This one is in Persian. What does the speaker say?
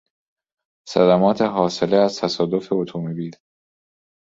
صدمات حاصله از تصادف اتومبیل